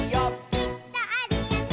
「きっとあるよね」